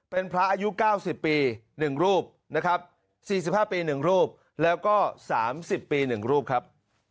เป็นพระอายุเก้าสิบปีหนึ่งรูปนะครับสี่สิบห้าปีหนึ่งรูปแล้วก็สามสิบปีหนึ่งรูปครับ